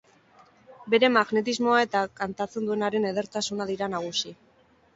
Bere magnetismoa eta kantatzen duenaren edertasuna dira nagusi.